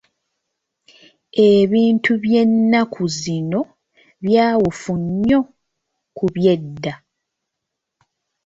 Ebintu by’ennaku zino byawufu nnyo ku by'edda.